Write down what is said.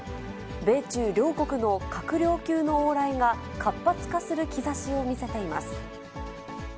米中両国の閣僚級の往来が活発化する兆しを見せています。